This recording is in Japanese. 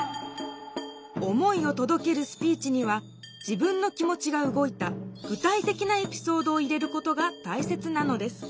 思いを届けるスピーチには自分の気持ちが動いた具体的なエピソードを入れることがたいせつなのです。